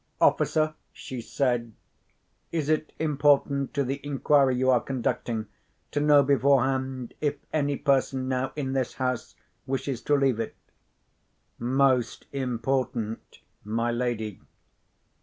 "Officer," she said, "is it important to the inquiry you are conducting, to know beforehand if any person now in this house wishes to leave it?" "Most important, my lady."